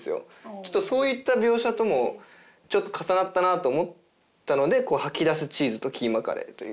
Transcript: ちょっとそういった描写ともちょっと重なったなと思ったので「吐き出すチーズとキーマカレー」という。